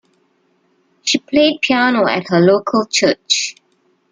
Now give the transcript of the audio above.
She played piano at her local church.